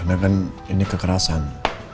karena kan ini kekerasan